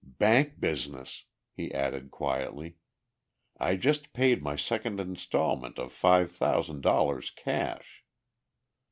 "Bank business," he added quietly. "I just paid my second instalment of five thousand dollars cash!"